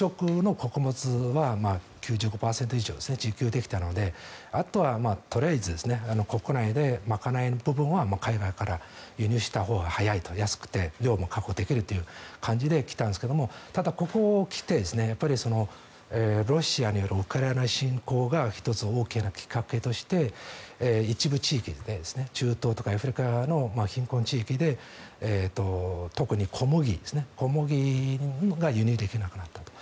中国も今までは主食の穀物は９５％以上、自給できたのであとはとりあえず国内で賄えない部分は海外から輸入したほうが早いから安くて量も確保できるという感じで来たんですが、ここに来てロシアによるウクライナ侵攻が１つ大きなきっかけとして一部地域、中東とかアフリカの貧困地域で特に小麦が輸入できなくなったと。